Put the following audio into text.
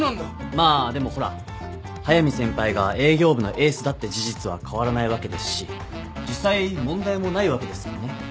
まあでもほら速見先輩が営業部のエースだって事実は変わらないわけですし実際問題もないわけですよね？